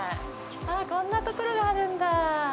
こんなところがあるんだ。